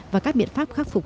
và các biện pháp khắc phục